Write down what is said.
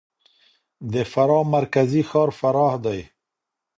د فراه مرکزي ښار فراه دی.